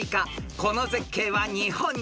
［この絶景は日本にある？